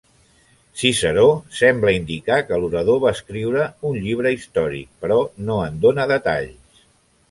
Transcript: Ciceró sembla indicar que l'orador va escriure un llibre històric però no en dóna detalls.